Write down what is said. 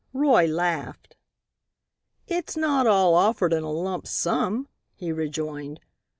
Roy laughed. "It's not all offered in a lump sum," he rejoined.